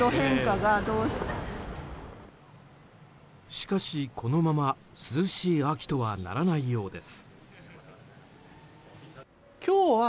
しかしこのまま涼しい秋とはならないようです。